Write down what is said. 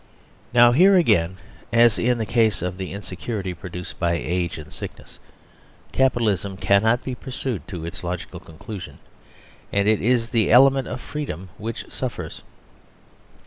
Now here again, as in the case of the insecurity produced by age and sickness, Capitalism cannot be pursued to its logical conclusion, and it is the element of freedom which suffers.